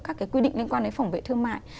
các cái quy định liên quan đến phòng vệ thương mại